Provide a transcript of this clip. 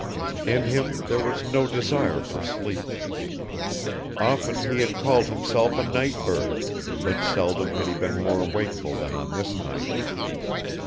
In him there was no desire for sleep. Often he had called himself a night bird, but seldom had he been more wakeful than on this night.